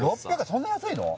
そんな安いの？